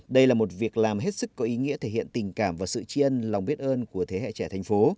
đây là một việc làm hết sức có ý nghĩa thể hiện tình cảm và sự tri ân lòng biết ơn của thế hệ trẻ thành phố